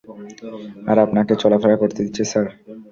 আর আপনাকে চলাফেরা করতে দিচ্ছে, স্যার।